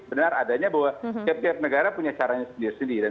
benar adanya bahwa setiap negara punya caranya sendiri sendiri